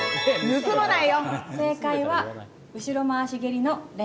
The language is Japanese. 盗まないよ！